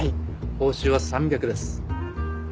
報酬は３００です。